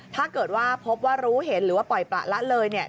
ถ้าเกิดว่าพบว่ารู้เห็นหรือว่าปล่อยประละเลยเนี่ย